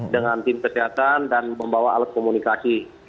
dengan tim kesehatan dan membawa alat komunikasi